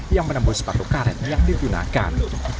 yang menembus sepatu karet yang digunakan